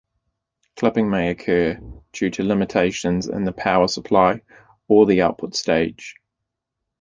Clipping may occur due to limitations in the power supply or the output stage.